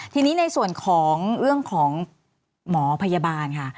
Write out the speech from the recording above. ทีนี้ในส่วนของเรื่องของหมอพยาบาลค่ะ